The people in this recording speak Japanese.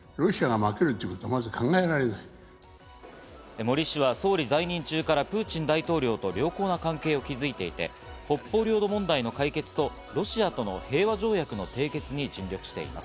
森氏は総理在任中からプーチン大統領と良好な関係を築いていて、北方領土問題の解決とロシアとの平和条約の締結に尽力しています。